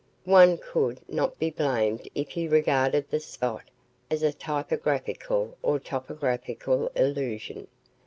One could not be blamed if he regarded the spot as a typographical or topographical illusion.